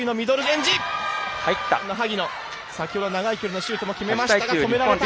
萩野、先ほど長い距離のシュートも決めましたが止められた。